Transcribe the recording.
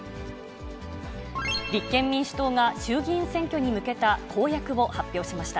立憲民主党が衆議院選挙に向けた公約を発表しました。